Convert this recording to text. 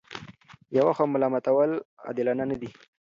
یوه خوا ملامتول عادلانه نه دي.